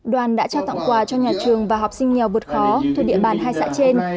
đoàn đã trao tặng quà cho nhà trường và học sinh nghèo vượt khó thuộc địa bàn hai xã trên